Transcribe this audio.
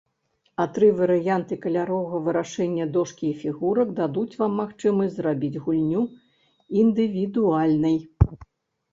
А тры варыянты каляровага вырашэння дошкі і фігурак дадуць вам магчымасць зрабіць гульню індывідуальнай.